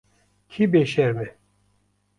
Kî bêşerm e?